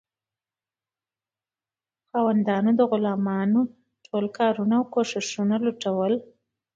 خاوندانو د غلامانو ټول کارونه او کوښښونه لوټول.